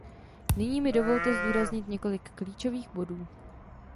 Nyní mi dovolte zdůraznit několik klíčových bodů.